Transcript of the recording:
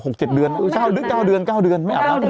กล้าวลึก๙เดือน